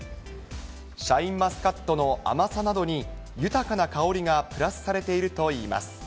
シャインマスカットの甘さなどに、豊かな香りがプラスされているといいます。